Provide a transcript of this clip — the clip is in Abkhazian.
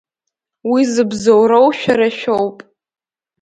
Уи зыбзоуроу шәара шәоуп.